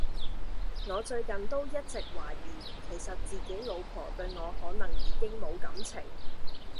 我最近都一直懷疑其實自己老婆對我可能已經無感情